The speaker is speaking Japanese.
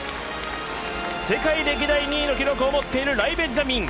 世界歴代２位の記録を持っているライ・ベンジャミン